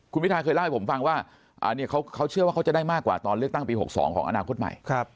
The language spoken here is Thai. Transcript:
คุณพิทาเคยเล่าให้ผมฟังว่าเขาเชื่อว่าเขาจะได้มากกว่าตอนเลือกตั้งปี๖๒ของอนาคตใหม่